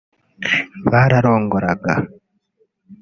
bararongoraga